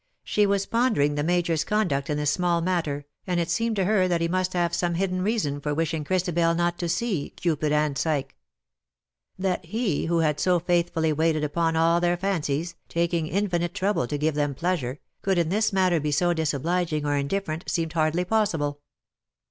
She was pondering the Major^s conduct in this small matter, audit seemed to her that he must have some hidden reason for wishing Christabel not to see " Cupid and Psyche/'' CUPID AND PSYCHE. 207 That Le^ ■v\'lio had so faithfully ^vaited Tipon all their fancies^ taking infinite trouble to give them pleasure, could in this matter be disobliging or indifferent seemed hardly possible.